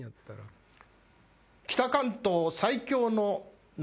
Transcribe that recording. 北関東最強のな